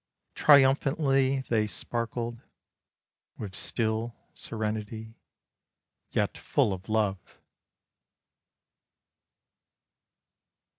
Triumphantly they sparkled, With still serenity, yet full of love.